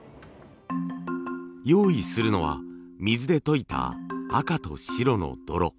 用意するのは水で溶いた赤と白の泥。